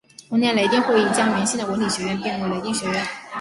同年雷丁议会将原先的文理学院并入雷丁学院。